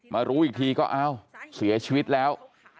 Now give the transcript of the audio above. รู้อีกทีก็เอ้าเสียชีวิตแล้ว